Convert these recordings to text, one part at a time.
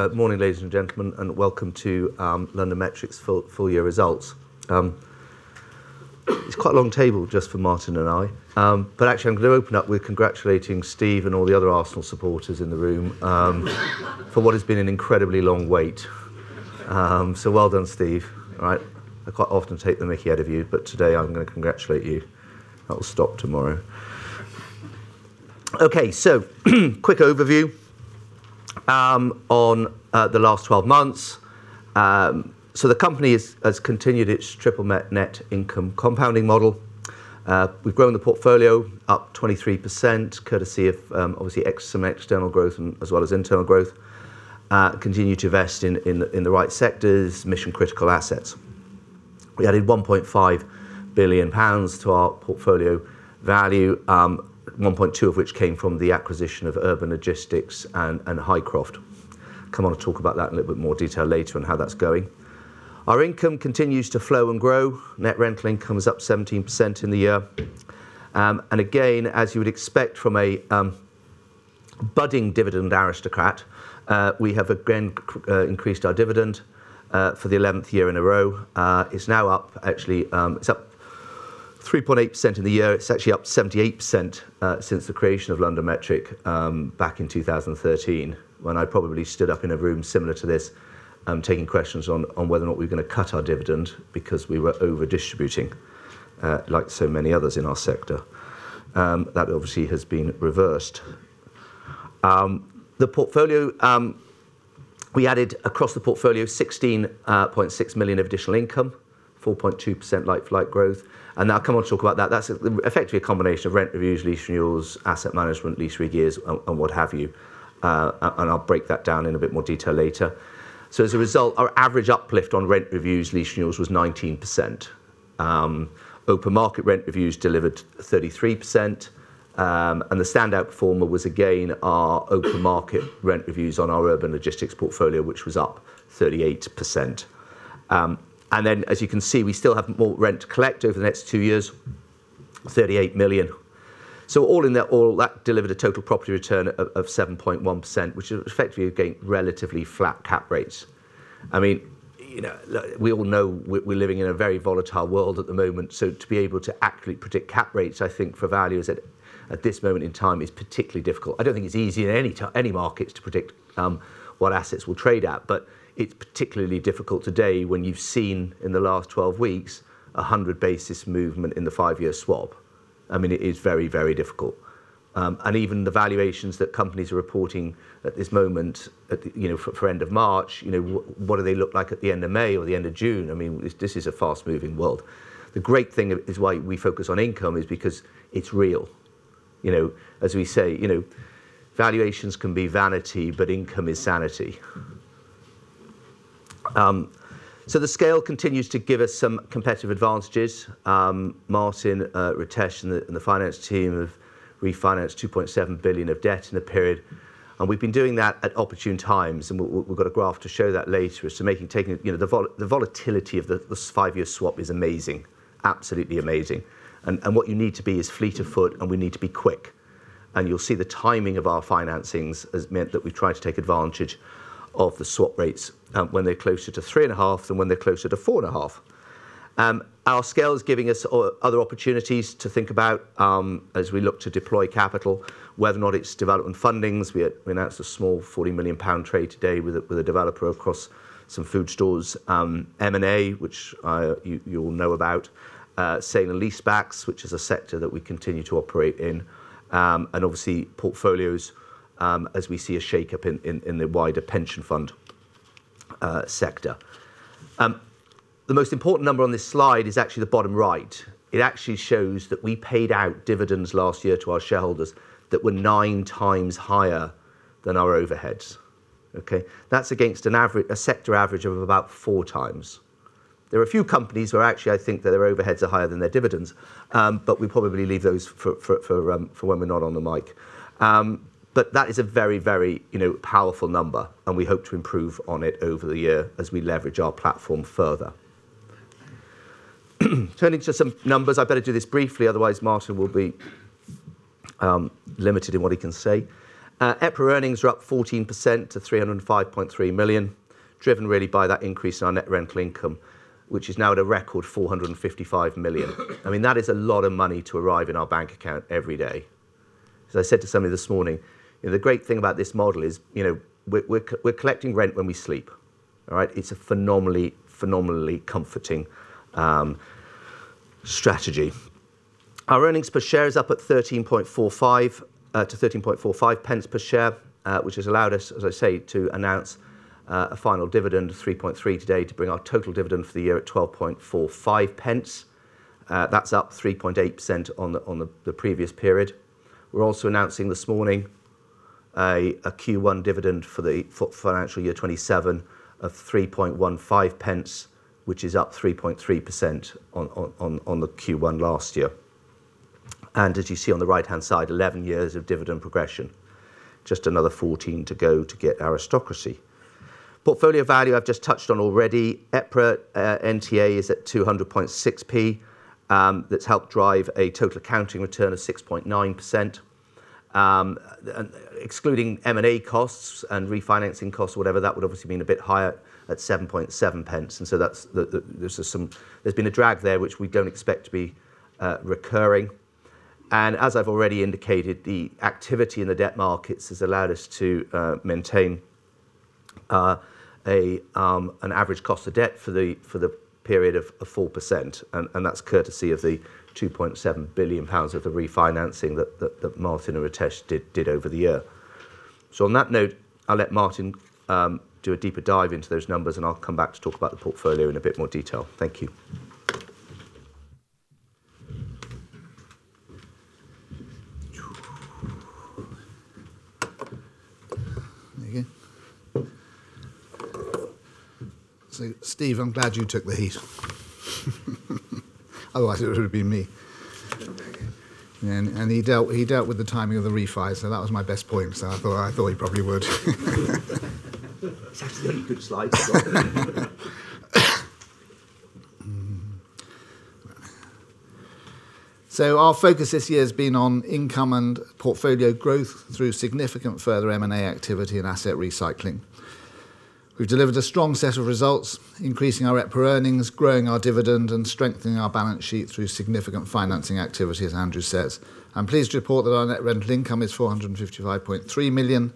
Good morning, ladies and gentlemen, welcome to LondonMetric's full year results. It's quite a long table just for Martin and me. Actually, I'm going to open up with congratulating Steve and all the other Arsenal supporters in the room for what has been an incredibly long wait. Well done, Steve. All right? I quite often take the Mickey out of you, but today, I'm going to congratulate you. I'll stop tomorrow. Okay, quick overview on the last 12 months. The company has continued its triple net income compounding model. We've grown the portfolio, up 23%, courtesy of obviously some external growth as well as internal growth. Continue to invest in the right sectors, mission-critical assets. We added 1.5 billion pounds to our portfolio value, 1.2 billion of which came from the acquisition of Urban Logistics and Highcroft. Come on to talk about that in a little bit more detail later on how that's going. Our income continues to flow and grow. Net rental income is up 17% in the year. Again, as you would expect from a budding dividend aristocrat, we have again increased our dividend for the 11th year in a row. It's up 3.8% in the year. It's actually up 78% since the creation of LondonMetric back in 2013 when I probably stood up in a room similar to this, taking questions on whether or not we were going to cut our dividend because we were over-distributing, like so many others in our sector. That obviously has been reversed. We added, across the portfolio, 16.6 million of additional income, 4.2% like-for-like growth. I'll come on and talk about that. That's effectively a combination of rent reviews, lease renewals, asset management, lease re-gears and what have you. I'll break that down in a bit more detail later. As a result, our average uplift on rent reviews, lease renewals was 19%. Open market rent reviews delivered 33%. The standout performer was, again, our open market rent reviews on our urban logistics portfolio, which was up 38%. Then, as you can see, we still have more rent to collect over the next two years, 38 million. All in all, that delivered a total property return of 7.1%, which is effectively, again, relatively flat cap rates. We all know we're living in a very volatile world at the moment, so to be able to accurately predict cap rates, I think for values at this moment in time is particularly difficult. I don't think it's easy in any markets to predict what assets will trade at. It's particularly difficult today when you've seen in the last 12 weeks, a 100 basis movement in the five-year swap. It is very difficult. Even the valuations that companies are reporting at this moment, for end of March, what do they look like at the end of May or the end of June? This is a fast-moving world. The great thing is why we focus on income is because it's real. As we say, valuations can be vanity, but income is sanity. The scale continues to give us some competitive advantages. Martin, Ritesh, and the finance team have refinanced 2.7 billion of debt in the period, and we've been doing that at opportune times, and we've got a graph to show that later. The volatility of the five-year swap is amazing. Absolutely amazing. What you need to be is fleet of foot, and we need to be quick. You'll see the timing of our financings has meant that we try to take advantage of the swap rates when they're closer to 3.5% than when they're closer to 4.5%. Our scale is giving us other opportunities to think about as we look to deploy capital, whether or not it's development fundings. We announced a small 40 million pound trade today with a developer across some food stores, M&A, which you'll know about. Sale and leasebacks, which is a sector that we continue to operate in. Obviously, portfolios, as we see a shakeup in the wider pension fund sector. The most important number on this slide is actually the bottom right. It actually shows that we paid out dividends last year to our shareholders that were nine times higher than our overheads. Okay. That's against a sector average of about four times. There are a few companies where actually I think that their overheads are higher than their dividends, we probably leave those for when we're not on the mic. That is a very powerful number, we hope to improve on it over the year as we leverage our platform further. Turning to some numbers. I better do this briefly, otherwise Martin will be limited in what he can say. EPRA earnings are up 14% to 305.3 million, driven really by that increase in our net rental income, which is now at a record 455 million. That is a lot of money to arrive in our bank account every day. As I said to somebody this morning, the great thing about this model is we're collecting rent when we sleep. All right? It's a phenomenally comforting strategy. Our earnings per share is up at 0.1345 per share, which has allowed us, as I say, to announce a final dividend of 0.033 today to bring our total dividend for the year at 0.1245. That's up 3.8% on the previous period. We're also announcing this morning a Q1 dividend for the financial year 2027 of 0.0315, which is up 3.3% on the Q1 last year. As you see on the right-hand side, 11 years of dividend progression. Just another 14 to go to get aristocracy. Portfolio value, I've just touched on already. EPRA NTA is at 2.006. That's helped drive a total accounting return of 6.9%. Excluding M&A costs and refinancing costs, whatever, that would obviously been a bit higher at 7.7. There's been a drag there which we don't expect to be recurring. As I've already indicated, the activity in the debt markets has allowed us to maintain an average cost of debt for the period of 4%, and that's courtesy of the 2.7 billion pounds of the refinancing that Martin and Ritesh did over the year. On that note, I'll let Martin do a deeper dive into those numbers, and I'll come back to talk about the portfolio in a bit more detail. Thank you. There you go. Steve, I'm glad you took the heat. Otherwise, it would've been me. It's all okay. He dealt with the timing of the refi. That was my best point. I thought he probably would. It's actually a good slide as well. Our focus this year has been on income and portfolio growth through significant further M&A activity and asset recycling. We've delivered a strong set of results, increasing our EPRA earnings, growing our dividend, and strengthening our balance sheet through significant financing activity, as Andrew says. I'm pleased to report that our net rental income is 455.3 million,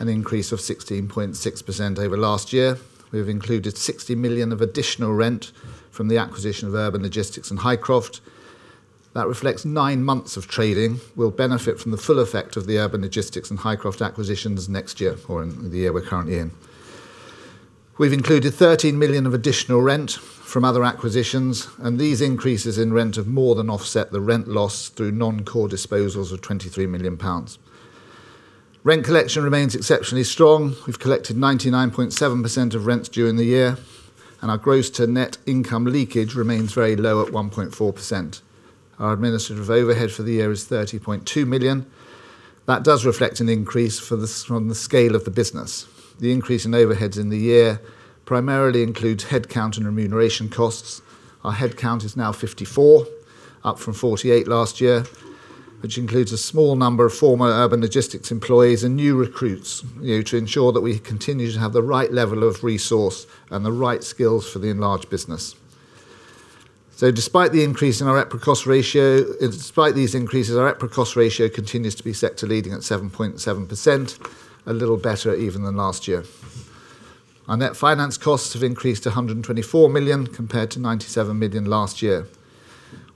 an increase of 16.6% over last year. We've included 60 million of additional rent from the acquisition of Urban Logistics and Highcroft. That reflects nine months of trading. We'll benefit from the full effect of the Urban Logistics and Highcroft acquisitions next year or in the year we're currently in. We've included 13 million of additional rent from other acquisitions, these increases in rent have more than offset the rent loss through non-core disposals of 23 million pounds. Rent collection remains exceptionally strong. We've collected 99.7% of rents during the year. Our gross to net income leakage remains very low at 1.4%. Our administrative overhead for the year is 30.2 million. That does reflect an increase from the scale of the business. The increase in overheads in the year primarily includes headcount and remuneration costs. Our headcount is now 54, up from 48 last year, which includes a small number of former Urban Logistics employees and new recruits, to ensure that we continue to have the right level of resource and the right skills for the enlarged business. Despite these increases, our EPRA cost ratio continues to be sector leading at 7.7%, a little better even than last year. Our net finance costs have increased to 124 million, compared to 97 million last year.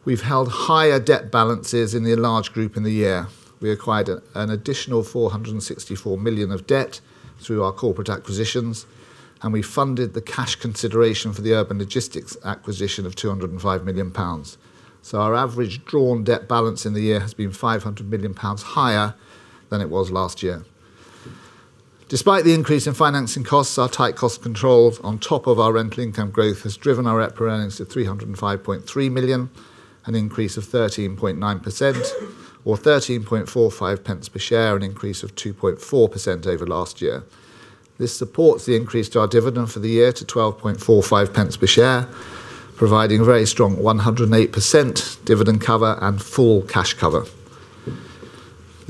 We've held higher debt balances in the enlarged group in the year. We acquired an additional 464 million of debt through our corporate acquisitions, we funded the cash consideration for the Urban Logistics acquisition of 205 million pounds. Our average drawn debt balance in the year has been 500 million pounds higher than it was last year. Despite the increase in financing costs, our tight cost controls on top of our rental income growth has driven our EPRA earnings to 305.3 million, an increase of 13.9%, or 0.1345 per share, an increase of 2.4% over last year. This supports the increase to our dividend for the year to 0.1245 per share, providing a very strong 108% dividend cover and full cash cover.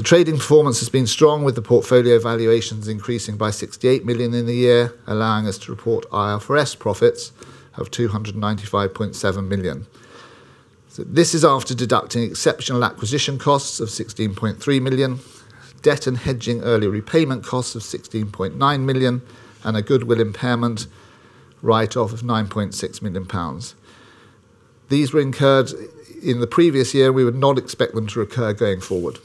The trading performance has been strong, with the portfolio valuations increasing by 68 million in the year, allowing us to report IFRS profits of 295.7 million. This is after deducting exceptional acquisition costs of 16.3 million, debt and hedging early repayment costs of 16.9 million, and a goodwill impairment write-off of 9.6 million pounds. These were incurred in the previous year. We would not expect them to recur going forward.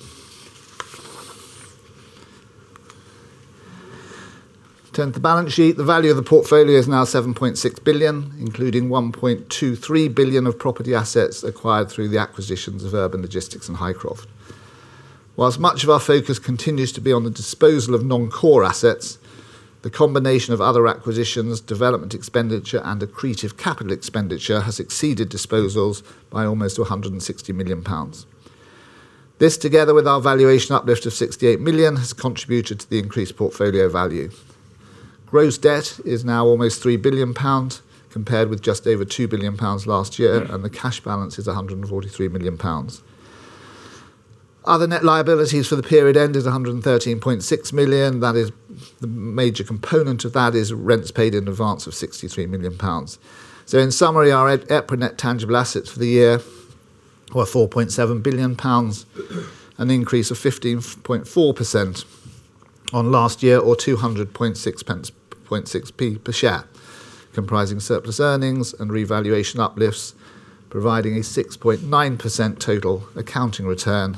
Turning to the balance sheet, the value of the portfolio is now 7.6 billion, including 1.23 billion of property assets acquired through the acquisitions of Urban Logistics and Highcroft. Whilst much of our focus continues to be on the disposal of non-core assets, the combination of other acquisitions, development expenditure, and accretive capital expenditure has exceeded disposals by almost 160 million pounds. This, together with our valuation uplift of 68 million, has contributed to the increased portfolio value. Gross debt is now almost 3 billion pounds, compared with just over 2 billion pounds last year, and the cash balance is 143 million pounds. Other net liabilities for the period end is 113.6 million. The major component of that is rents paid in advance of GBP 63 million. In summary, our EPRA net tangible assets for the year were GBP 4.7 billion, an increase of 15.4% on last year or 200.6p per share, comprising surplus earnings and revaluation uplifts, providing a 6.9% total accounting return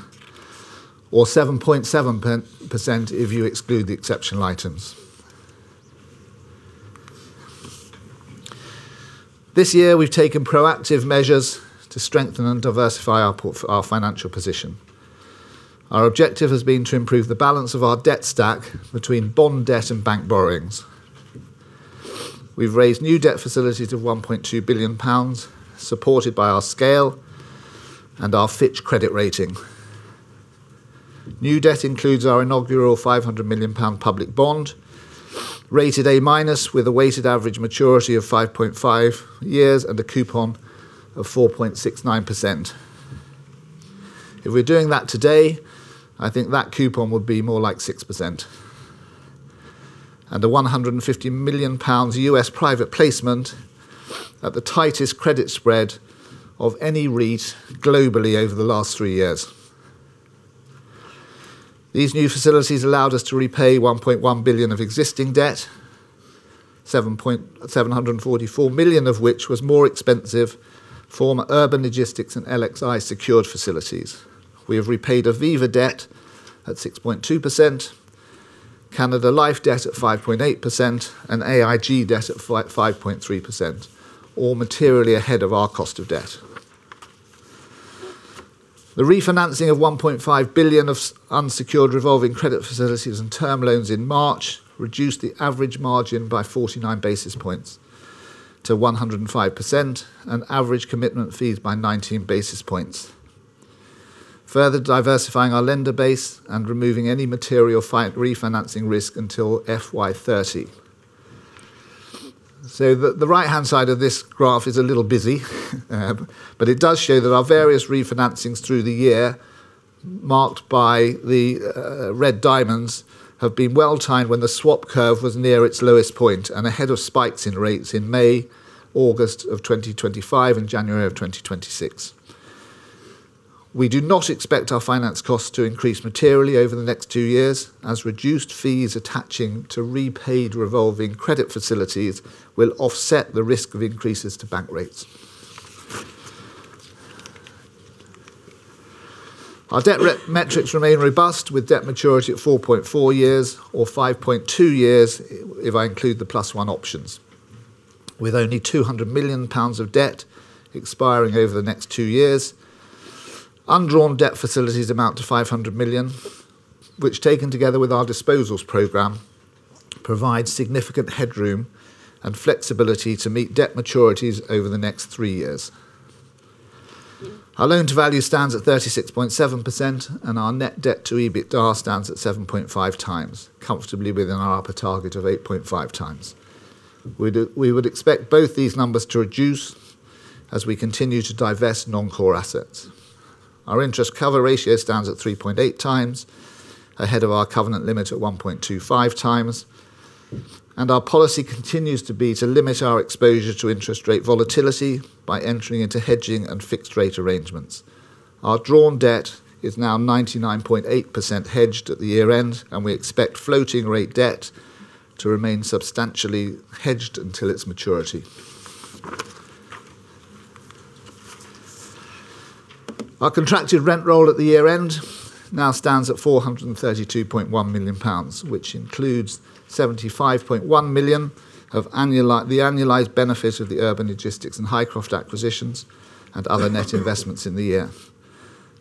or 7.7% if you exclude the exceptional items. This year, we've taken proactive measures to strengthen and diversify our financial position. Our objective has been to improve the balance of our debt stack between bond debt and bank borrowings. We've raised new debt facilities of 1.2 billion pounds, supported by our scale and our Fitch credit rating. New debt includes our inaugural 500 million pound public bond, rated A- with a weighted average maturity of 5.5 years and a coupon of 4.69%. If we're doing that today, I think that coupon would be more like 6%. The 150 million pounds U.S. private placement at the tightest credit spread of any REIT globally over the last three years. These new facilities allowed us to repay 1.1 billion of existing debt, 744 million of which was more expensive former Urban Logistics and LXi secured facilities. We have repaid Aviva debt at 6.2%, Canada Life debt at 5.8%, and AIG debt at 5.3%, all materially ahead of our cost of debt. The refinancing of 1.5 billion of unsecured revolving credit facilities and term loans in March reduced the average margin by 49 basis points to 105%, and average commitment fees by 19 basis points. Further diversifying our lender base and removing any material refinancing risk until FY 2030. The right-hand side of this graph is a little busy, but it does show that our various refinancings through the year, marked by the red diamonds, have been well-timed when the swap curve was near its lowest point and ahead of spikes in rates in May, August of 2025, and January of 2026. We do not expect our finance costs to increase materially over the next two years, as reduced fees attaching to repaid revolving credit facilities will offset the risk of increases to bank rates. Our debt metrics remain robust, with debt maturity at 4.4 years or 5.2 years if I include the plus one options. With only 200 million pounds of debt expiring over the next two years. Undrawn debt facilities amount to 500 million, which, taken together with our disposals program, provide significant headroom and flexibility to meet debt maturities over the next three years. Our loan-to-value stands at 36.7%, and our net debt to EBITDA stands at 7.5 times, comfortably within our upper target of 8.5 times. We would expect both these numbers to reduce as we continue to divest non-core assets. Our interest cover ratio stands at 3.8 times, ahead of our covenant limit at 1.25 times, and our policy continues to be to limit our exposure to interest rate volatility by entering into hedging and fixed rate arrangements. Our drawn debt is now 99.8% hedged at the year-end, and we expect floating rate debt to remain substantially hedged until its maturity. Our contracted rent roll at the year-end now stands at 432.1 million pounds, which includes 75.1 million of the annualized benefit of the Urban Logistics and Highcroft acquisitions and other net investments in the year,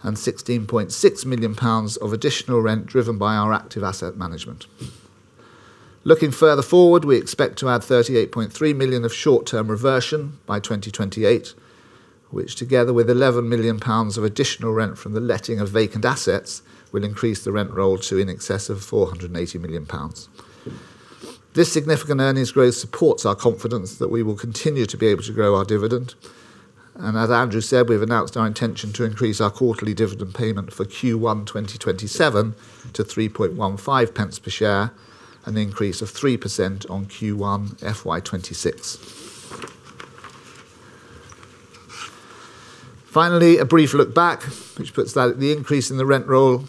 and 16.6 million pounds of additional rent driven by our active asset management. Looking further forward, we expect to add 38.3 million of short-term reversion by 2028, which together with 11 million pounds of additional rent from the letting of vacant assets, will increase the rent roll to in excess of 480 million pounds. This significant earnings growth supports our confidence that we will continue to be able to grow our dividend. As Andrew said, we've announced our intention to increase our quarterly dividend payment for Q1 2027 to 0.0315 per share, an increase of 3% on Q1 FY 2026. Finally, a brief look back, which puts the increase in the rent roll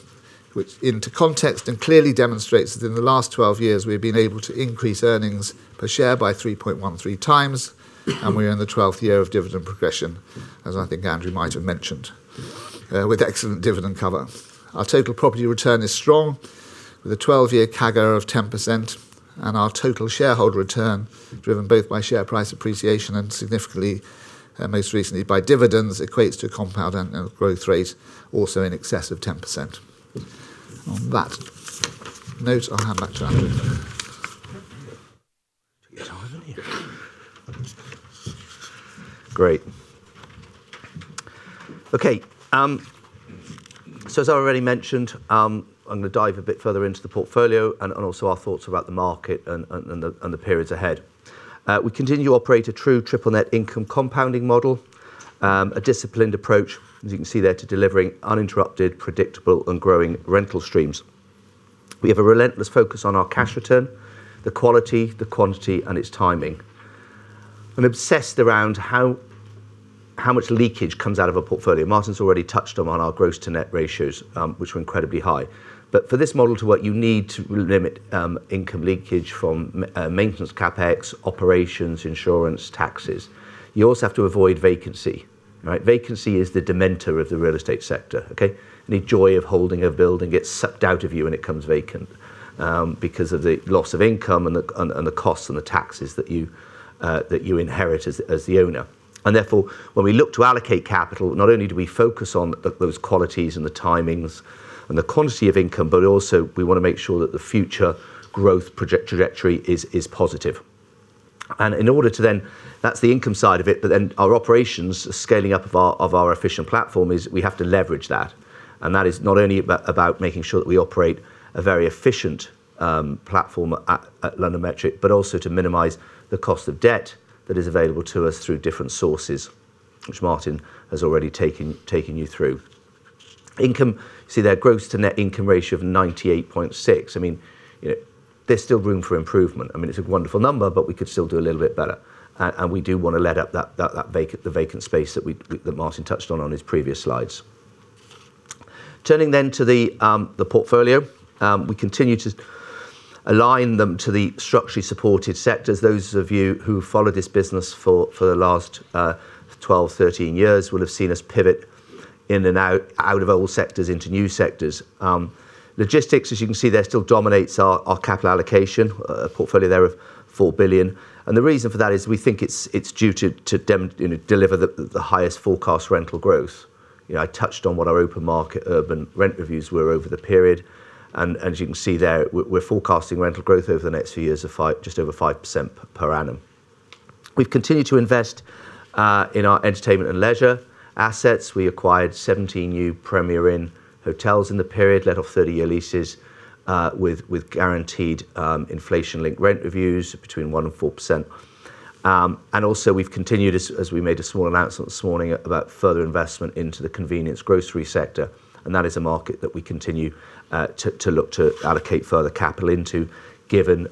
into context and clearly demonstrates that in the last 12 years, we've been able to increase earnings per share by 3.13 times, and we are in the 12th year of dividend progression, as I think Andrew might have mentioned, with excellent dividend cover. Our total property return is strong with a 12-year CAGR of 10%, and our total shareholder return, driven both by share price appreciation and significantly, most recently by dividends, equates to a compound annual growth rate also in excess of 10%. On that note, I'll hand back to Andrew. Great. Okay. As I already mentioned, I'm going to dive a bit further into the portfolio and also our thoughts about the market and the periods ahead. We continue to operate a true triple net income compounding model, a disciplined approach, as you can see there, to delivering uninterrupted, predictable and growing rental streams. We have a relentless focus on our cash return, the quality, the quantity, and its timing, and obsessed around how much leakage comes out of a portfolio. Martin's already touched on our gross to net ratios, which were incredibly high. For this model to work, you need to limit income leakage from maintenance CapEx, operations, insurance, taxes. You also have to avoid vacancy, right? Vacancy is the dementor of the real estate sector, okay. The joy of holding a building gets sucked out of you when it comes vacant because of the loss of income and the costs and the taxes that you inherit as the owner. Therefore, when we look to allocate capital, not only do we focus on those qualities and the timings and the quantity of income, but also we want to make sure that the future growth trajectory is positive. In order to then, that's the income side of it, our operations, scaling up of our efficient platform is we have to leverage that. That is not only about making sure that we operate a very efficient platform at LondonMetric, but also to minimize the cost of debt that is available to us through different sources, which Martin has already taken you through. Income, see their gross to net income ratio of 98.6%. There's still room for improvement. It's a wonderful number, we could still do a little bit better. We do want to let out the vacant space that Martin touched on his previous slides. Turning to the portfolio. We continue to align them to the structurally supported sectors. Those of you who followed this business for the last 12, 13 years will have seen us pivot in and out of old sectors into new sectors. Logistics, as you can see there, still dominates our capital allocation, a portfolio there of 4 billion. The reason for that is we think it's due to deliver the highest forecast rental growth. I touched on what our open market urban rent reviews were over the period. As you can see there, we're forecasting rental growth over the next few years of just over 5% per annum. We've continued to invest in our entertainment and leisure assets. We acquired 17 new Premier Inn hotels in the period, let off 30-year leases, with guaranteed inflation-linked rent reviews between 1% and 4%. Also, we've continued, as we made a small announcement this morning, about further investment into the convenience grocery sector, and that is a market that we continue to look to allocate further capital into, given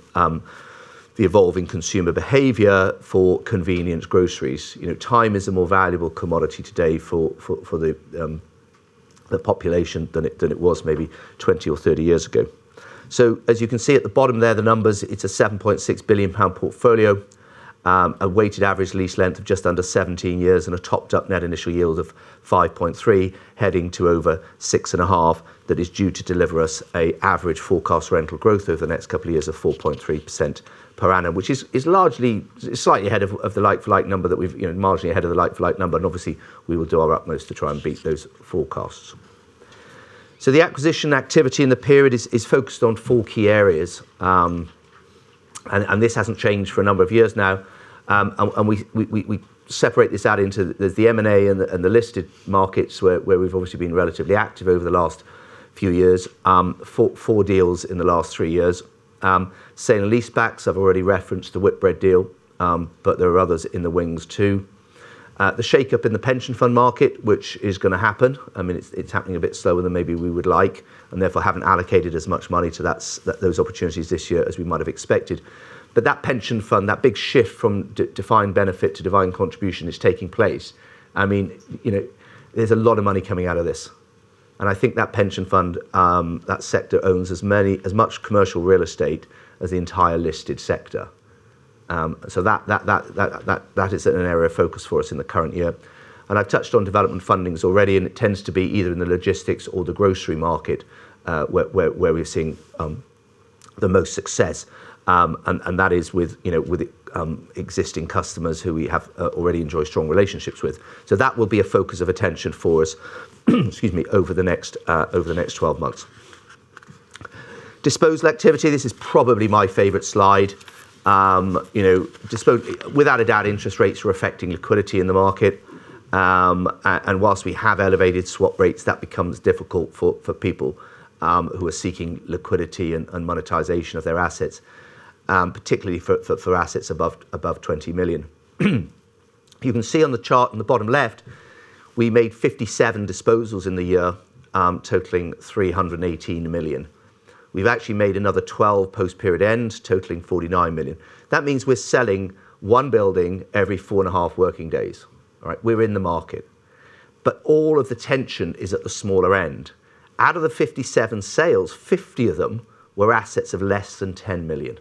the evolving consumer behavior for convenience groceries. Time is a more valuable commodity today for the population than it was maybe 20 or 30 years ago. As you can see at the bottom there, the numbers, it's a 7.6 billion pound portfolio, a weighted average lease length of just under 17 years and a topped up net initial yield of 5.3% heading to over 6.5% that is due to deliver us an average forecast rental growth over the next couple of years of 4.3% per annum, which is slightly ahead of the like-for-like number, marginally ahead of the like-for-like number. Obviously, we will do our utmost to try and beat those forecasts. The acquisition activity in the period is focused on four key areas. This hasn't changed for a number of years now. We separate this out into, there's the M&A and the listed markets where we've obviously been relatively active over the last few years, four deals in the last three years. Sale and leasebacks, I've already referenced the Whitbread deal, but there are others in the wings too. The shake-up in the pension fund market, which is going to happen. It's happening a bit slower than maybe we would like, and therefore haven't allocated as much money to those opportunities this year as we might have expected. That pension fund, that big shift from defined benefit to defined contribution is taking place. There's a lot of money coming out of this. I think that pension fund, that sector owns as much commercial real estate as the entire listed sector. That is an area of focus for us in the current year. I've touched on development fundings already, and it tends to be either in the logistics or the grocery market, where we're seeing the most success. That is with existing customers who we have already enjoy strong relationships with. That will be a focus of attention for us excuse me, over the next 12 months. Disposal activity, this is probably my favorite slide. Without a doubt, interest rates are affecting liquidity in the market. Whilst we have elevated swap rates, that becomes difficult for people who are seeking liquidity and monetization of their assets, particularly for assets above 20 million. You can see on the chart on the bottom left, we made 57 disposals in the year, totaling 318 million. We've actually made another 12 post period end, totaling 49 million. That means we're selling one building every four and a half working days. All right? We're in the market. All of the tension is at the smaller end. Out of the 57 sales, 50 of them were assets of less than 10 million.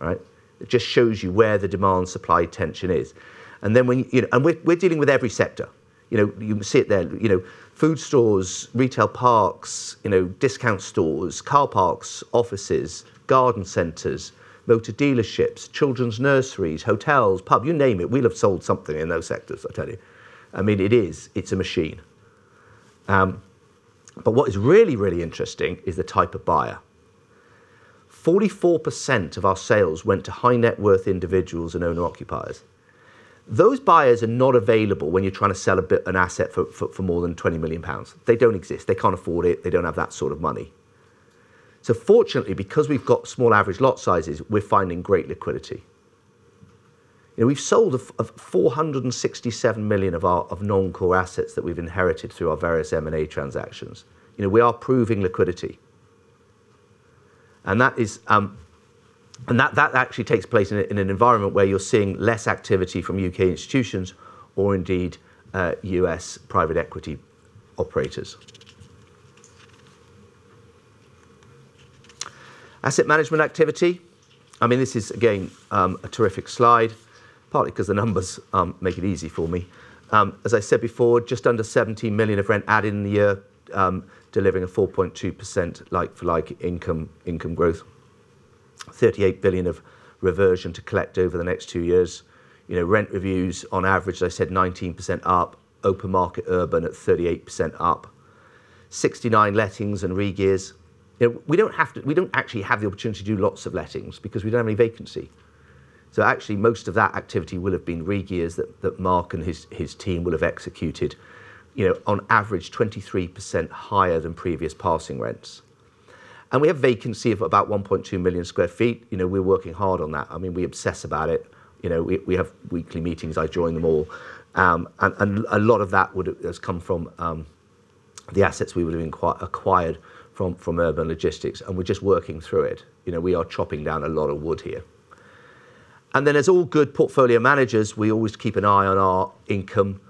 Right? It just shows you where the demand supply tension is. We're dealing with every sector. You can see it there. Food stores, retail parks, discount stores, car parks, offices, garden centers, motor dealerships, children's nurseries, hotels, pub, you name it, we'll have sold something in those sectors, I tell you. It's a machine. What is really, really interesting is the type of buyer. 44% of our sales went to high net worth individuals and owner occupiers. Those buyers are not available when you're trying to sell an asset for more than 20 million pounds. They don't exist. They can't afford it. They don't have that sort of money. Fortunately, because we've got small average lot sizes, we're finding great liquidity. We've sold 467 million of non-core assets that we've inherited through our various M&A transactions. We are proving liquidity. That actually takes place in an environment where you're seeing less activity from U.K. institutions or indeed, U.S. private equity operators. Asset management activity. This is again, a terrific slide, partly because the numbers make it easy for me. As I said before, just under 17 million of rent add in the year, delivering a 4.2% like for like income growth. 38 million of reversion to collect over the next two years. Rent reviews on average, as I said, 19% up. Open market urban at 38% up. 69 lettings and re-gears. We don't actually have the opportunity to do lots of lettings because we don't have any vacancy. Actually, most of that activity will have been re-gears that Mark and his team will have executed, on average 23% higher than previous passing rents. We have vacancy of about 1.2 million sq ft. We're working hard on that. We obsess about it. We have weekly meetings, I join them all. A lot of that has come from the assets we will have acquired from Urban Logistics, and we're just working through it. We are chopping down a lot of wood here. As all good portfolio managers, we always keep an eye on our income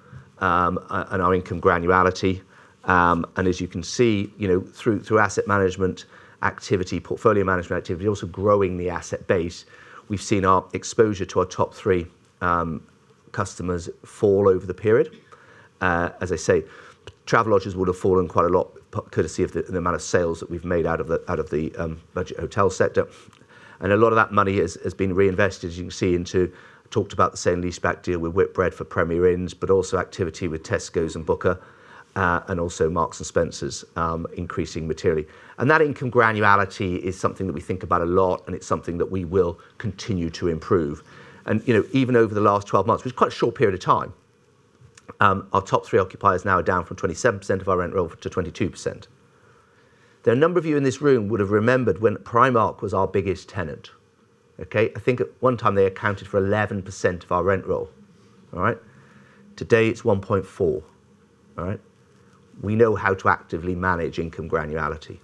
and our income granularity. As you can see, through asset management activity, portfolio management activity, also growing the asset base, we've seen our exposure to our top three customers fall over the period. I say, Travelodges would have fallen quite a lot courtesy of the amount of sales that we've made out of the budget hotel sector. A lot of that money has been reinvested, as you can see, into, I talked about the sale and leaseback deal with Whitbread for Premier Inns, but also activity with Tesco and Booker, and also Marks & Spencer increasing materially. That income granularity is something that we think about a lot, and it's something that we will continue to improve. Even over the last 12 months, which is quite a short period of time, our top three occupiers now are down from 27% of our rent roll to 22%. There are a number of you in this room would've remembered when Primark was our biggest tenant. Okay? I think at one time they accounted for 11% of our rent roll. All right? Today it's 1.4%. All right? We know how to actively manage income granularity.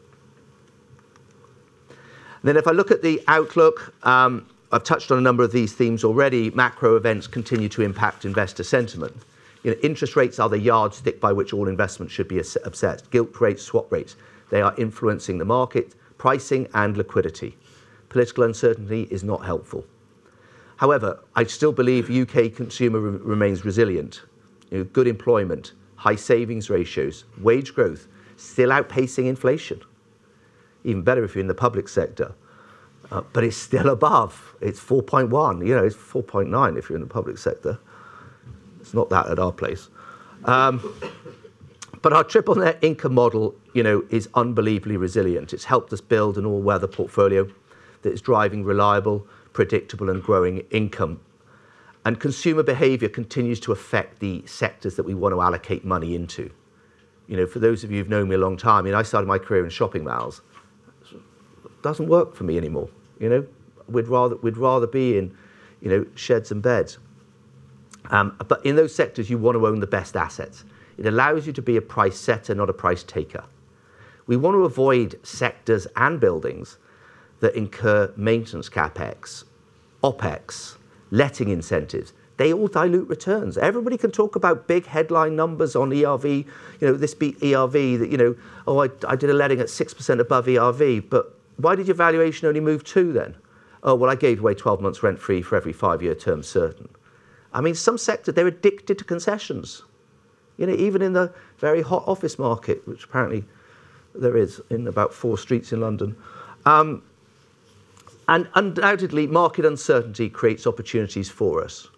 If I look at the outlook, I've touched on a number of these themes already. Macro events continue to impact investor sentiment. Interest rates are the yardstick by which all investments should be assessed. Gilt rates, swap rates, they are influencing the market, pricing, and liquidity. Political uncertainty is not helpful. However, I still believe U.K. consumer remains resilient. Good employment, high savings ratios, wage growth, still outpacing inflation. Even better if you're in the public sector. It's still above. It's 4.1%. It's 4.9% if you're in the public sector. It's not that at our place. Our triple net income model is unbelievably resilient. It's helped us build an all-weather portfolio that is driving reliable, predictable, and growing income. Consumer behavior continues to affect the sectors that we want to allocate money into. For those of you who've known me a long time, I started my career in shopping malls. Doesn't work for me anymore. We'd rather be in sheds and beds. In those sectors, you want to own the best assets. It allows you to be a price setter, not a price taker. We want to avoid sectors and buildings that incur maintenance CapEx, OPEX, letting incentives. They all dilute returns. Everybody can talk about big headline numbers on ERV. This beat ERV. "I did a letting at 6% above ERV." Why did your valuation only move 2% then? "Oh, well, I gave away 12 months rent-free for every five-year term certain." Some sectors, they're addicted to concessions. Even in the very hot office market, which apparently there is in about four streets in London. Undoubtedly, market uncertainty creates opportunities for us.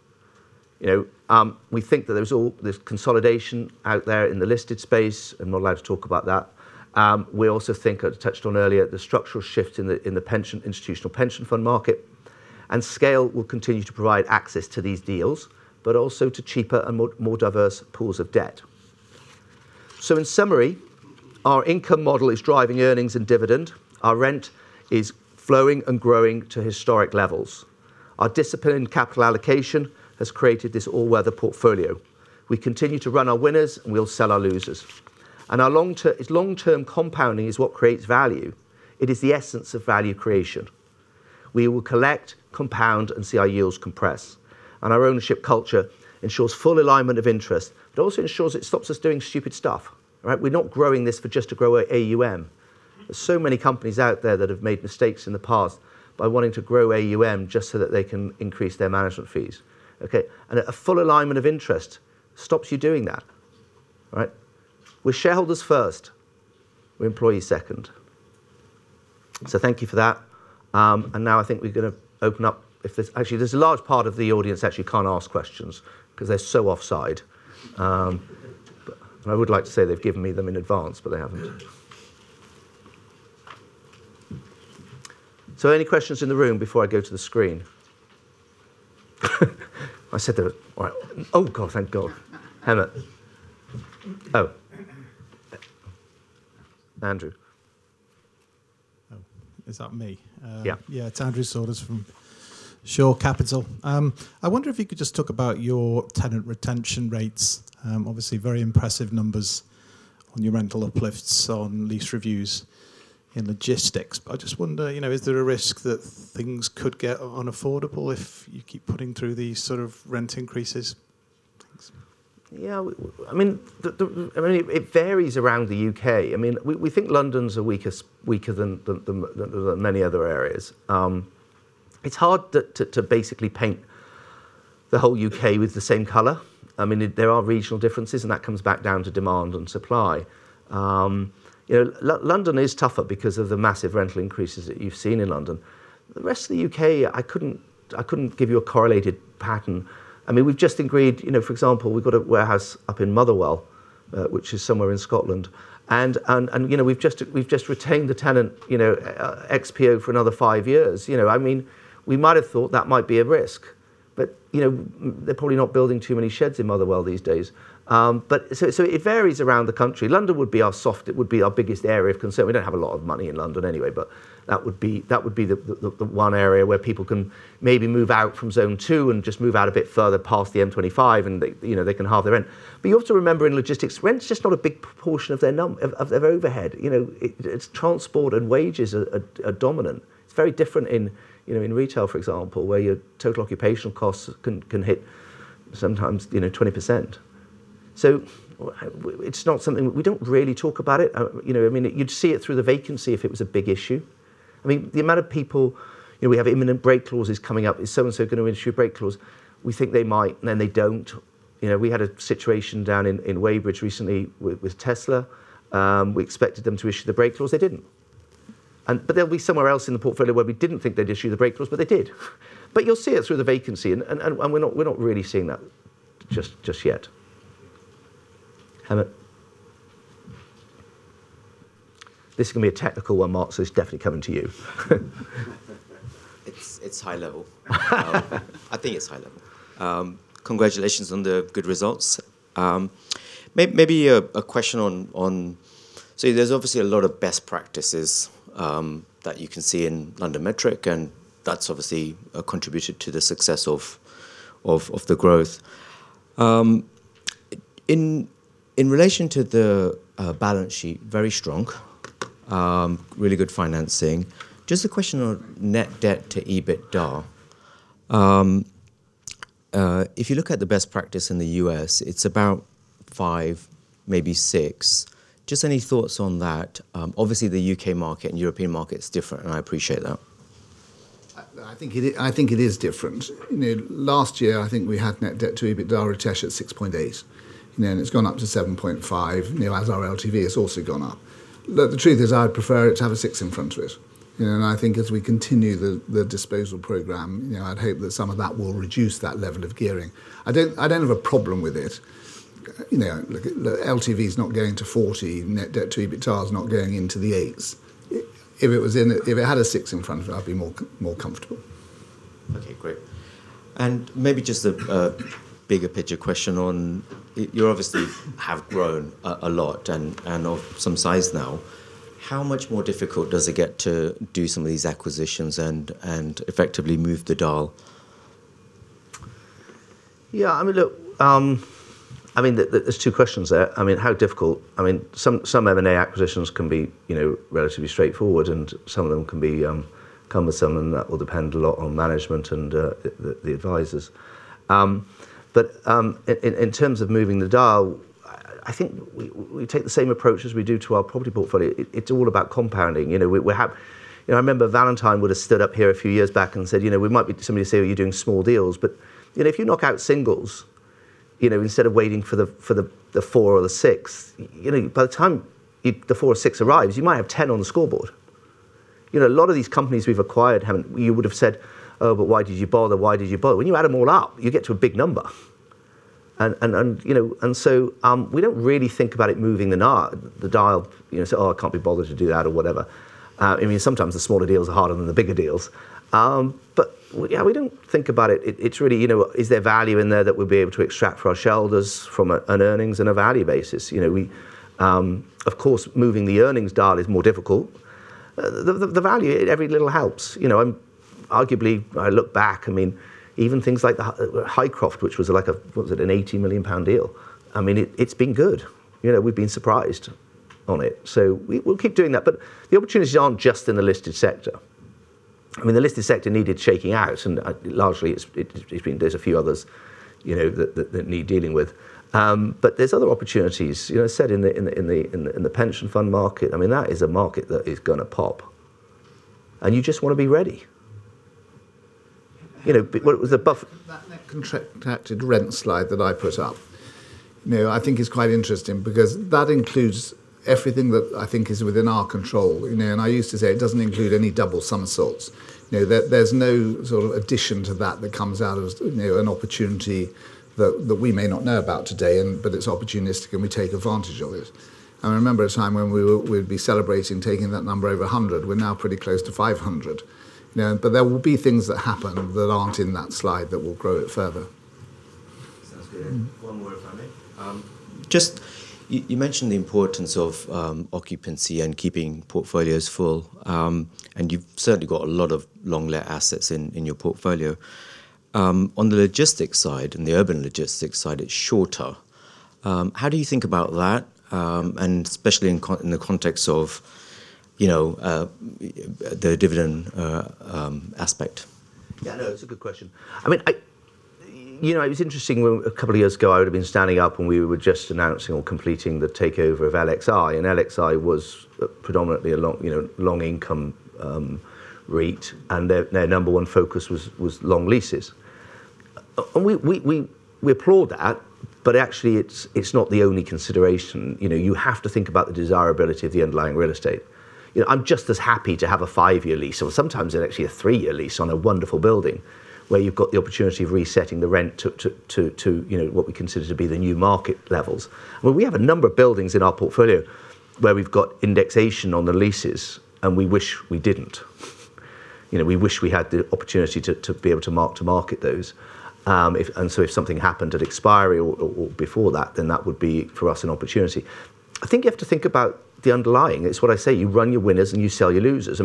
We think that there's consolidation out there in the listed space. I'm not allowed to talk about that. We also think, I touched on earlier, the structural shift in the institutional pension fund market. Scale will continue to provide access to these deals, but also to cheaper and more diverse pools of debt. In summary, our income model is driving earnings and dividend. Our rent is flowing and growing to historic levels. Our discipline in capital allocation has created this all-weather portfolio. We continue to run our winners, and we'll sell our losers. Long-term compounding is what creates value. It is the essence of value creation. We will collect, compound, and see our yields compress. Our ownership culture ensures full alignment of interest, but also ensures it stops us doing stupid stuff. Right? We're not growing this for just to grow our AUM. There's so many companies out there that have made mistakes in the past by wanting to grow AUM just so that they can increase their management fees. Okay? A full alignment of interest stops you doing that. All right? We're shareholders first. We're employees second. Thank you for that. Now I think we're going to open up. Actually, there's a large part of the audience who actually can't ask questions because they're so offside. I would like to say they've given me them in advance, but they haven't. Any questions in the room before I go to the screen? I said they were All right. Oh, God. Thank God. Hannah. Oh. Andrew. Oh, is that me? Yeah. Yeah. It's Andrew Saunders from Shore Capital. I wonder if you could just talk about your tenant retention rates. Obviously very impressive numbers on your rental uplifts on lease reviews in logistics. I just wonder, is there a risk that things could get unaffordable if you keep putting through these sort of rent increases? Thanks. Yeah. It varies around the U.K. We think London's weaker than many other areas. It's hard to basically paint the whole U.K. with the same color. There are regional differences, and that comes back down to demand and supply. London is tougher because of the massive rental increases that you've seen in London. The rest of the U.K., I couldn't give you a correlated pattern. We've just agreed, for example, we've got a warehouse up in Motherwell. Which is somewhere in Scotland. We've just retained a tenant, XPO, for another five years. We might have thought that might be a risk, but they're probably not building too many sheds in Motherwell these days. It varies around the country. London would be our soft. It would be our biggest area of concern. We don't have a lot of money in London anyway, but that would be the one area where people can maybe move out from zone 2 and just move out a bit further past the M25, and they can halve their rent. You also remember in logistics, rent's just not a big proportion of their overhead. It's transport and wages are dominant. It's very different in retail, for example, where your total occupational costs can hit sometimes 20%. We don't really talk about it. You'd see it through the vacancy if it was a big issue. The amount of people, we have imminent break clauses coming up. Is so and so going to issue a break clause? We think they might, and then they don't. We had a situation down in Weybridge recently with Tesla. We expected them to issue the break clause. They didn't. There'll be somewhere else in the portfolio where we didn't think they'd issue the break clause, but they did. You'll see it through the vacancy, and we're not really seeing that just yet. Hemant. This is going to be a technical one, Mart, so it's definitely coming to you. It's high level. I think it's high level. Congratulations on the good results. Maybe a question on there's obviously a lot of best practices that you can see in LondonMetric, and that's obviously contributed to the success of the growth. In relation to the balance sheet, very strong. Really good financing. Just a question on net debt to EBITDA. If you look at the best practice in the U.S., it's about 5, maybe 6. Just any thoughts on that? Obviously, the U.K. market and European market's different, and I appreciate that. I think it is different. Last year, I think we had net debt to EBITDA at Ritesh at 6.8, and it's gone up to 7.5, as our LTV has also gone up. Look, the truth is, I would prefer it to have a 6 in front of it. I think as we continue the disposal program, I'd hope that some of that will reduce that level of gearing. I don't have a problem with it. Look, LTV's not going to 40, net debt to EBITDA is not going into the 8s. If it had a 6 in front of it, I'd be more comfortable. Okay, great. Maybe just a bigger picture question on, you obviously have grown a lot and of some size now. How much more difficult does it get to do some of these acquisitions and effectively move the dial? Yeah. Look, there's two questions there. Some M&A acquisitions can be relatively straightforward, and some of them can come with some, that will depend a lot on management and the advisors. In terms of moving the dial, I think we take the same approach as we do to our property portfolio. It's all about compounding. I remember Valentine would've stood up here a few years back and said, "Somebody will say, 'Oh, you're doing small deals.'" If you knock out singles instead of waiting for the 4 or the 6, by the time the 4 or 6 arrives, you might have 10 on the scoreboard. A lot of these companies we've acquired, you would've said, "Oh, but why did you bother? Why did you bother?" When you add them all up, you get to a big number. We don't really think about it moving the dial. Say, "Oh, I can't be bothered to do that," or whatever. Sometimes the smaller deals are harder than the bigger deals. Yeah, we don't think about it. It's really, is there value in there that we'll be able to extract for our shareholders from an earnings and a value basis? Of course, moving the earnings dial is more difficult. The value, every little helps. Arguably, I look back, even things like the Highcroft, which was a 80 million pound deal. It's been good. We've been surprised on it. We'll keep doing that. The opportunities aren't just in the listed sector. The listed sector needed shaking out, and largely, there's a few others that need dealing with. There's other opportunities. As I said, in the pension fund market, that is a market that is going to pop, and you just want to be ready. That net contracted rent slide that I put up, I think is quite interesting because that includes everything that I think is within our control. I used to say it doesn't include any double somersaults. There's no sort of addition to that that comes out as an opportunity that we may not know about today, but it's opportunistic and we take advantage of it. I remember a time when we'd be celebrating taking that number over 100. We're now pretty close to 500. There will be things that happen that aren't in that slide that will grow it further. Sounds good. One more, if I may. You mentioned the importance of occupancy and keeping portfolios full, and you've certainly got a lot of long let assets in your portfolio. On the logistics side and the urban logistics side, it is shorter. How do you think about that, and especially in the context of the dividend aspect? Yeah, no, it's a good question. It was interesting, a couple of years ago, I would've been standing up when we were just announcing or completing the takeover of LXi, and LXi was predominantly a long income REIT, and their number one focus was long leases. We applaud that. Actually, it's not the only consideration. You have to think about the desirability of the underlying real estate. I'm just as happy to have a five-year lease or sometimes actually a three-year lease on a wonderful building where you've got the opportunity of resetting the rent to what we consider to be the new market levels. Well, we have a number of buildings in our portfolio where we've got indexation on the leases, and we wish we didn't. We wish we had the opportunity to be able to market those. If something happened at expiry or before that, then that would be for us an opportunity. I think you have to think about the underlying. It's what I say, you run your winners and you sell your losers.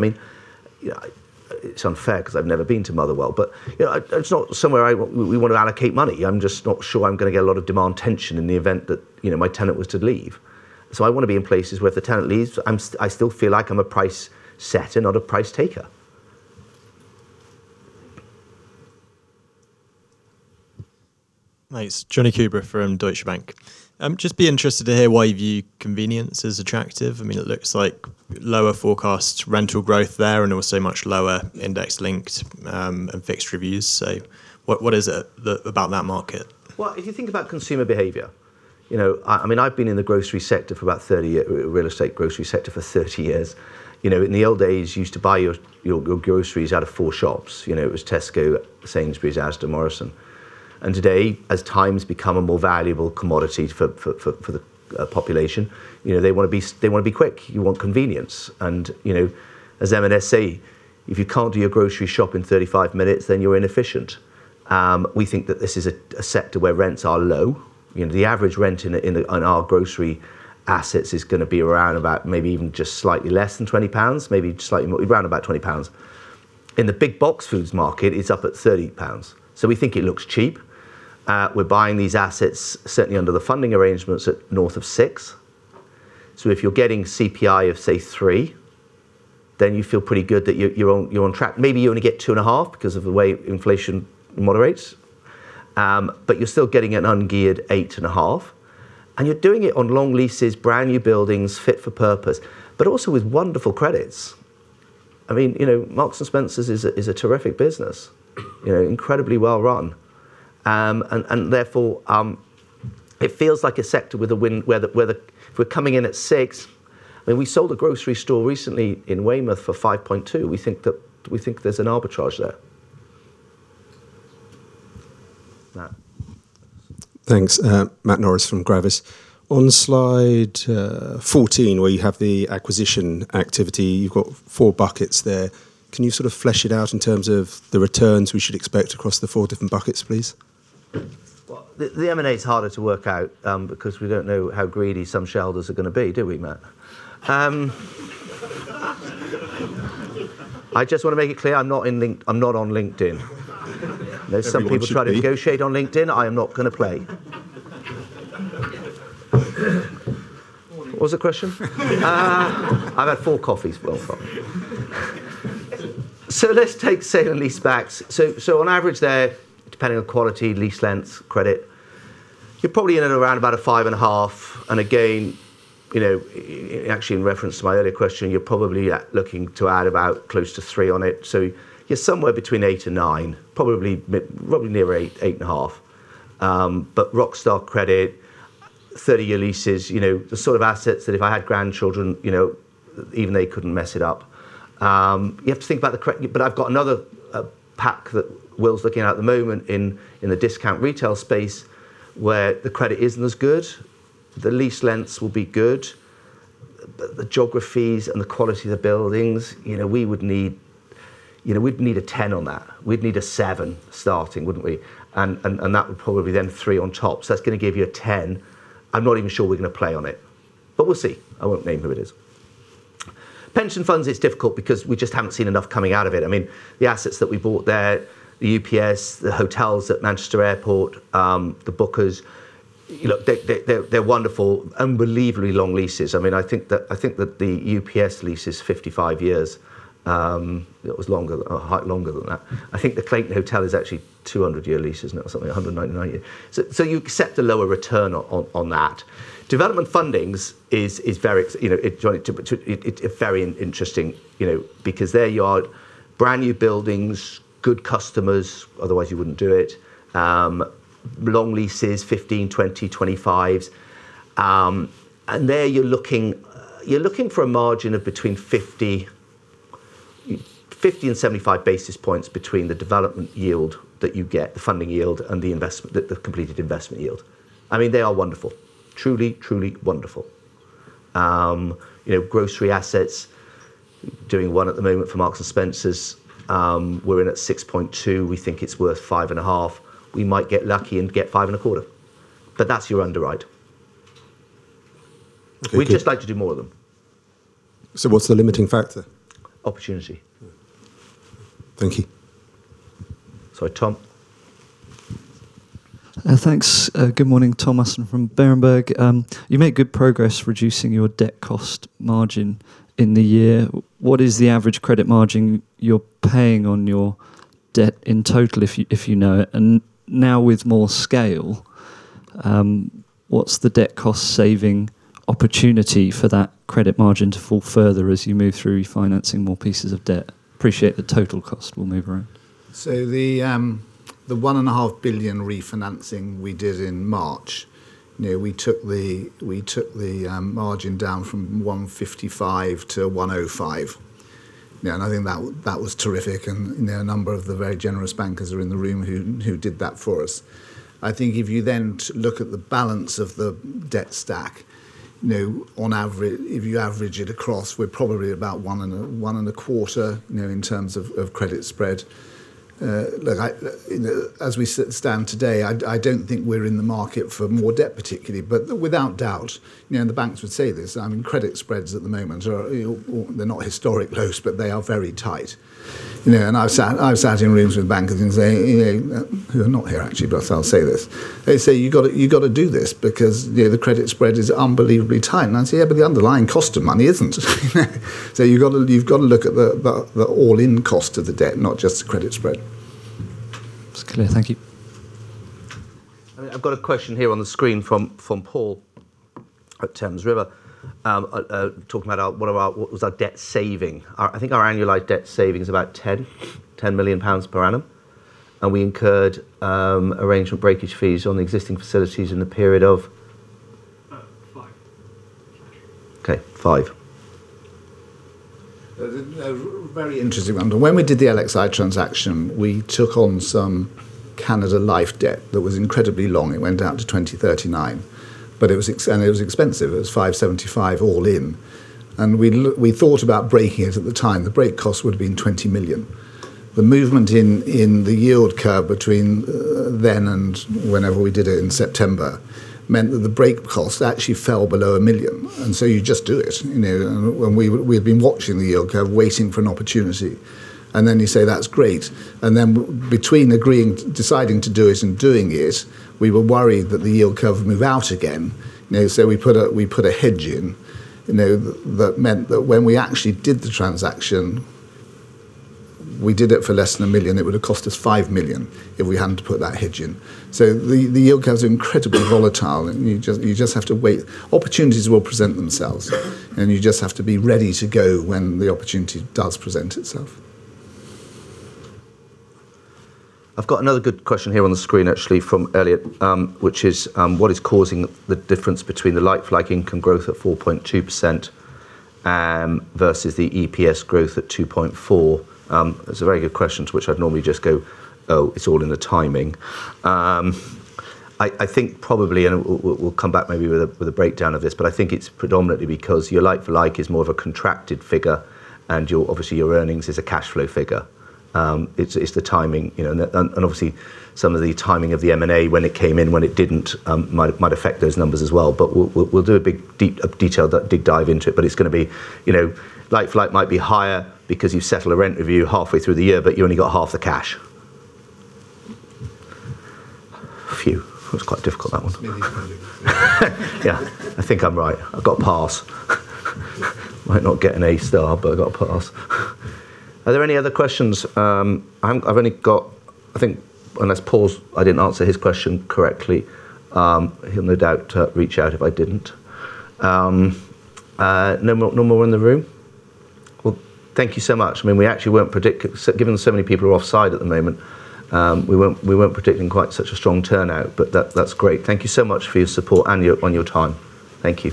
It's unfair because I've never been to Motherwell, but it's not somewhere we want to allocate money. I'm just not sure I'm going to get a lot of demand tension in the event that my tenant was to leave. I want to be in places where if the tenant leaves, I still feel like I'm a price setter, not a price taker. Thanks. Jonny Coubrough from Deutsche Bank. I'd just be interested to hear why view convenience is attractive. It looks like lower forecast rental growth there, and also much lower index-linked, and fixed reviews. What is it about that market? Well, if you think about consumer behavior. I've been in the grocery sector for about 30 years, real estate grocery sector for 30 years. In the old days, you used to buy your groceries out of four shops. It was Tesco, Sainsbury's, Asda, Morrisons. Today, as time's become a more valuable commodity for the population, they want to be quick. You want convenience. As M&S say, "If you can't do your grocery shop in 35 minutes, then you're inefficient." We think that this is a sector where rents are low. The average rent in our grocery assets is going to be around about maybe even just slightly less than 20 pounds, maybe just slightly more, around about 20 pounds. In the big box foods market, it's up at 30 pounds. We think it looks cheap. We're buying these assets certainly under the funding arrangements at north of 6%. If you're getting CPI of say 3%, you feel pretty good that you're on track. Maybe you only get 2.5% because of the way inflation moderates. You're still getting an ungeared 8.5%. You're doing it on long leases, brand-new buildings, fit for purpose, but also with wonderful credits. Marks & Spencer is a terrific business, incredibly well run. Therefore, it feels like a sector where if we're coming in at 6%. We sold a grocery store recently in Weymouth for 5.2%. We think there's an arbitrage there. Matt. Thanks. Matt Norris from Gravis. On slide 14, where you have the acquisition activity, you've got four buckets there. Can you sort of flesh it out in terms of the returns we should expect across the four different buckets, please? The M&A is harder to work out, because we don't know how greedy some shareholders are going to be, do we, Matt? I just want to make it clear, I'm not on LinkedIn. Everybody should be. Some people try to negotiate on LinkedIn. I am not going to play. What was the question? I've had four coffees, Will. Let's take sale and lease backs. On average there, depending on quality, lease length, credit, you're probably in and around about a 5.5. Again, actually in reference to my earlier question, you're probably looking to add about close to 3 on it. You're somewhere between 8 and 9, probably near 8.5. Rockstar credit, 30-year leases. The sort of assets that if I had grandchildren, even they couldn't mess it up. You have to think about the credit. I've got another pack that Will's looking at at the moment in the discount retail space where the credit isn't as good. The lease lengths will be good. The geographies and the quality of the buildings, we wouldn't need a 10 on that. We'd need a 7 starting, wouldn't we? That would probably then 3 on top. That's going to give you a 10. I'm not even sure we're going to play on it. We'll see. I won't name who it is. Pension funds, it's difficult because we just haven't seen enough coming out of it. The assets that we bought there, the UPS, the hotels at Manchester Airport, the Bookers. Look, they're wonderful. Unbelievably long leases. I think that the UPS lease is 55 years. It was longer than that. I think the Clayton Hotel is actually 200 year leases now, something 199 years. You set the lower return on that. Development fundings, it's very interesting because there you are brand-new buildings, good customers, otherwise you wouldn't do it. Long leases, 15, 20, 25s. There you're looking for a margin of between 50 and 75 basis points between the development yield that you get, the funding yield and the completed investment yield. They are wonderful. Truly wonderful. Grocery assets. Doing one at the moment for Marks & Spencer. We're in at 6.2%. We think it's worth 5.5%. We might get lucky and get 5.25%. That's your underwrite. We'd just like to do more of them. What's the limiting factor? Opportunity. Thank you. Sorry, Tom. Thanks. Good morning. Tom Musson from Berenberg. You made good progress reducing your debt cost margin in the year. What is the average credit margin you're paying on your debt in total, if you know it? Now with more scale, what's the debt cost saving opportunity for that credit margin to fall further as you move through refinancing more pieces of debt. Appreciate the total cost will move around. The one and a half billion refinancing we did in March, we took the margin down from 155 to 105. I think that was terrific, and a number of the very generous bankers are in the room who did that for us. I think if you then look at the balance of the debt stack, if you average it across, we're probably about one and a quarter, in terms of credit spread. Look, as we stand today, I don't think we're in the market for more debt particularly, but without doubt, and the banks would say this, credit spreads at the moment are, they're not historic lows, but they are very tight. I've sat in rooms with bankers and say, who are not here actually, but I'll say this. They say, "You've got to do this because the credit spread is unbelievably tight." I'd say, "Yeah, but the underlying cost of money isn't." You've got to look at the all-in cost of the debt, not just the credit spread. That's clear. Thank you. I've got a question here on the screen from Paul at Thames River, talking about what was our debt saving. I think our annualized debt saving is about 10 million pounds per annum, and we incurred arrangement breakage fees on the existing facilities in the period of. Five. Okay, five. A very interesting one. When we did the LXi transaction, we took on some Canada Life debt that was incredibly long. It went out to 2039. It was expensive. It was 575 all in. We thought about breaking it at the time. The break cost would've been 20 million. The movement in the yield curve between then and whenever we did it in September, meant that the break cost actually fell below 1 million. You just do it. We've been watching the yield curve waiting for an opportunity. Then you say, "That's great." Between agreeing, deciding to do it and doing it, we were worried that the yield curve would move out again. We put a hedge in, that meant that when we actually did the transaction, we did it for less than 1 million. It would've cost us 5 million if we hadn't put that hedge in. The yield curve is incredibly volatile and you just have to wait. Opportunities will present themselves, and you just have to be ready to go when the opportunity does present itself. I've got another good question here on the screen actually from Elliot, which is, what is causing the difference between the like for like income growth at 4.2% versus the EPS growth at 2.4%? It's a very good question to which I'd normally just go, "Oh, it's all in the timing." I think probably, and we'll come back maybe with a breakdown of this, but I think it's predominantly because your like for like is more of a contracted figure and obviously your earnings is a cash flow figure. It's the timing. Obviously some of the timing of the M&A when it came in, when it didn't, might affect those numbers as well. We'll do a big detailed deep dive into it, but it's going to be like for like might be higher because you settle a rent review halfway through the year, but you only got half the cash. Phew. That was quite difficult, that one. It's really challenging. I think I'm right. I got pass. Might not get an A star, but I got a pass. Are there any other questions? I've only got, I think, unless Paul's, I didn't answer his question correctly. He'll no doubt reach out if I didn't. No more in the room? Well, thank you so much. We actually weren't predicting, given so many people are off-site at the moment, we weren't predicting quite such a strong turnout, but that's great. Thank you so much for your support and your time. Thank you.